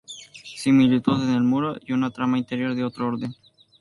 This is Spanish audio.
Similitud en el muro y una trama interior de otro orden.